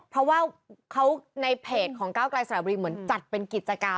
เพราะว่าเขาในเพจของก้าวกลายสระบุรีเหมือนจัดเป็นกิจกรรม